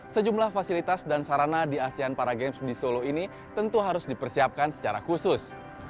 sejumlah fasilitas dan sarana di asean para games di solo ini tentu harus dipersiapkan secara khusus